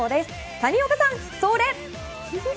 谷岡さん、そーれ！